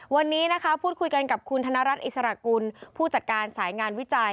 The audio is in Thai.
วันนี้นะคะพูดคุยกันกับคุณธนรัฐอิสระกุลผู้จัดการสายงานวิจัย